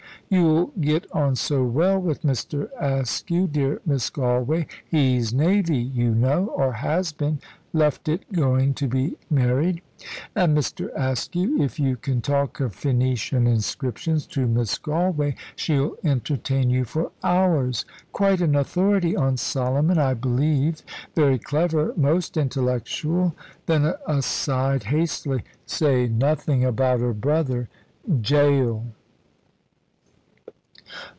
"You'll get on so well with Mr. Askew, dear Miss Galway. He's navy, you know, or has been left it going to be married. And Mr. Askew, if you can talk of Ph[oe]nician inscriptions to Miss Galway, she'll entertain you for hours. Quite an authority on Solomon, I believe very clever, most intellectual!" Then aside, hastily: "Say nothing about her brother jail!"